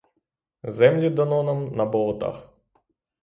Землі дано нам на болотах.